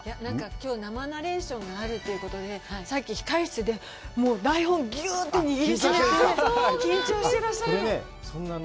きょう、生ナレーションがあるということで、さっき控室で、台本ぎゅうって握り締めて緊張してらっしゃるの。